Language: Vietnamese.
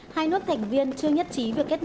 hai nước thành viên chưa nhất trí việc kết nối